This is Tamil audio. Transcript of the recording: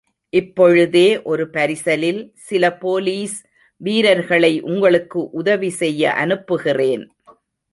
இப்பொழுதே ஒரு பரிசலில் சில போலீஸ் வீரர்களை உங்களுக்கு உதவி செய்ய அனுப்புகிறேன்.